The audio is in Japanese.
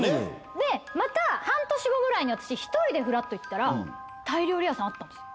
でまた半年後ぐらいに私１人でフラッと行ったらタイ料理屋さんあったんです。